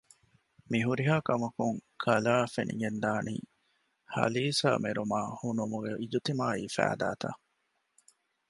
މިހުރިހާކަމަކުން ކަލާއަށް ފެނިގެންދާނީ ހަލީސާމެރުމާ ހުނުމުގެ އިޖުތިމާޢީ ފައިދާތައް